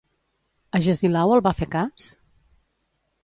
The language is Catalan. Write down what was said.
Agesilau el va fer cas?